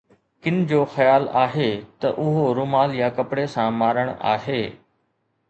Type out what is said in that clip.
ڪن جو خيال آهي ته اهو رومال يا ڪپڙي سان مارڻ آهي.